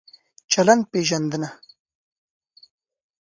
چلند پېژندنه